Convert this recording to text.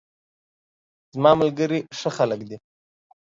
زماملګري ښه خلګ دي